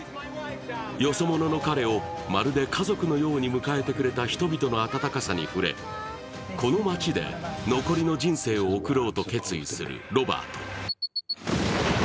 よそ者の彼をまるで家族のように迎えてくれた人々の温かさに触れこの町で残りの人生を送ろうと決意するロバート。